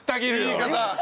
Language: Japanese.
言い方。